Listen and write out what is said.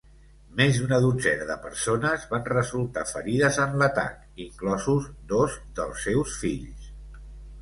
Més d'una dotzena de persones van resultar ferides en l'atac, inclosos dos dels seus fills.